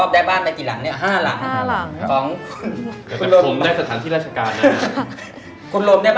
ได้๓๐วินาที